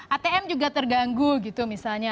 atm juga terganggu gitu misalnya